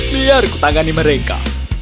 biar ku tangani mereka